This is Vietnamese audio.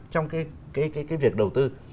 trong cái việc đầu tư